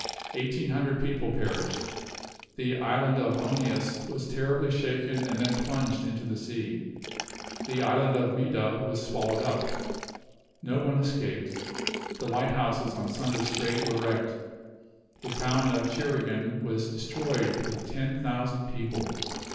Eighteen hundred people perished. The island of Onius was terribly shaken and then plunged into the sea. The island of Midah was swallowed up. No one escaped. The lighthouses on Sunda Strait were wrecked. The town of Tjeringen was destroyed with ten thousand people.